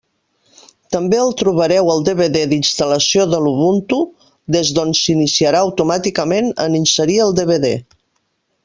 També el trobareu al DVD d'instal·lació de l'Ubuntu, des d'on s'iniciarà automàticament en inserir el DVD.